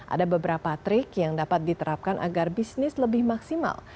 ada beberapa trik yang dapat diterapkan agar bisnis lebih maksimal